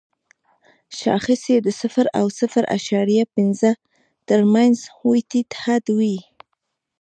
شاخص یې د صفر او صفر اعشاریه پنځه تر مینځ وي ټیټ حد دی.